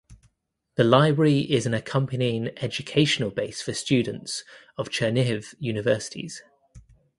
The library is an accompanying educational base for students of Chernihiv universities.